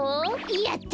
やった！